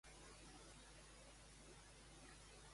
Fa menjar per endur el Data Döner d'Urrutia?